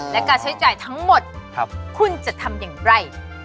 และการใช้จ่ายทั้งหมดคุณจะทำอย่างไร